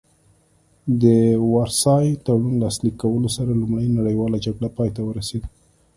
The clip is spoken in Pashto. د وارسای تړون لاسلیک کولو سره لومړۍ نړیواله جګړه پای ته ورسیده